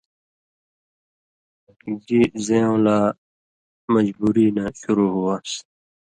گیۡ زَیؤں لا مجبُوری نہ شروع ہُو وان٘س